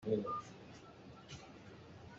Khua kan phak khawh lo ahcun lampi ah kan riak lai.